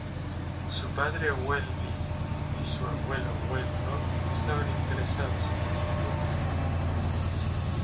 Su padre Wen Lin y su abuelo Wen Hong estaban interesados en la pintura.